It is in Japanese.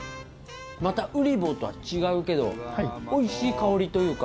またウリボーとは違うけどおいしい香りというか。